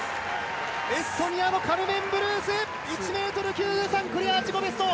エストニアのカルメン・ブルース、１ｍ９３クリア、自己ベスト。